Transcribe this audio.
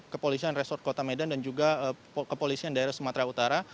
kepolisian resort kota medan dan juga kepolisian daerah sumatera utara